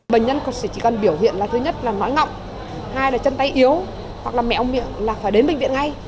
bệnh nhân chỉ cần biểu hiện là thứ nhất là nói ngọng hai là chân tay yếu hoặc là mẹ ông miệng là phải đến bệnh viện ngay